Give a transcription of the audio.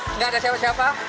tidak ada siapa siapa